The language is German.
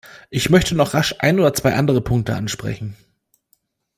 Ich möchte noch rasch ein oder zwei andere Punkte ansprechen.